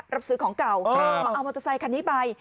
รับซื้อของเก่ามาเอามอเตอร์ไซคันนี้ไป